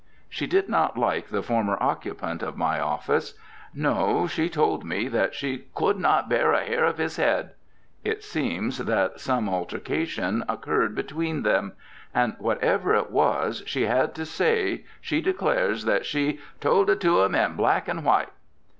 She did not like the former occupant of my office. No; she told me that she "could not bear a hair of his head." It seems that some altercation occurred between them. And whatever it was she had to say, she declares that she "told it to him in black and white."